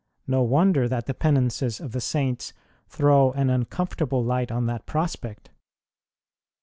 No wonder that the Penances of the Saints throw an uncomfortable light on that prospect.